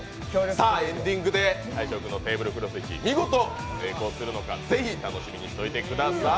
さぁ、エンディングで大昇君のテーブルクロス引き成功するのか、是非、楽しみにしておいてください。